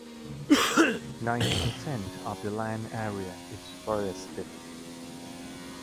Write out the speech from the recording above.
Ninety percent of the land area is forested.